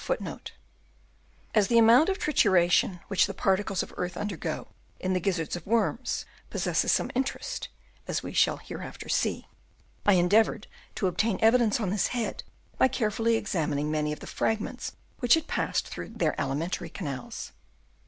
f As the amount of trituration which the particles of earth undergo in the gizzards of worms possesses some interest (as we shall hereafter see), I endeavoured to obtain evidence on this head by carefully examining many of the fragments which had passed through their alimentary canals.